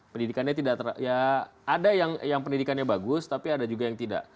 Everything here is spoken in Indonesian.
pendidikannya tidak ya ada yang pendidikannya bagus tapi ada juga yang tidak